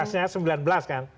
tekasnya sembilan belas kan